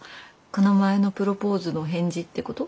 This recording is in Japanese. この前のプロポーズの返事ってこと？